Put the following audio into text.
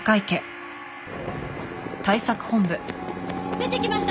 出てきました！